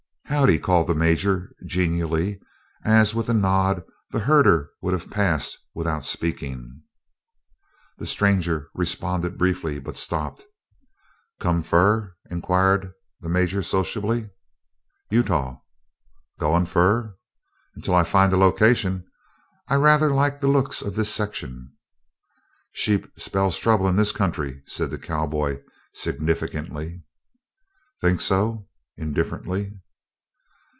"Howdy!" called the Major genially as, with a nod, the herder would have passed without speaking. The stranger responded briefly, but stopped. "Come fur?" inquired the Major sociably. "Utah." "Goin' fur?" "Until I find a location. I rather like the looks of this section." "Sheep spells 'trouble' in this country," said the cowboy, significantly. "Think so?" indifferently.